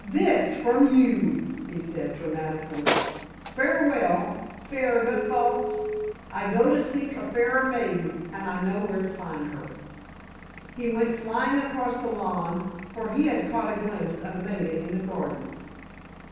"This, from you!" he said, dramatically. "Farewell, fair but false! I go to seek a fairer maiden, and I know where to find her!" He went flying across the lawn, for he had caught a glimpse of Maida in the garden.